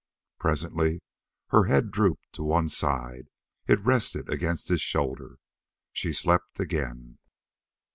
Presently her head drooped to one side. It rested against his shoulder. She slept again.